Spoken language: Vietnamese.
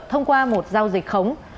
thông qua một giao dịch khống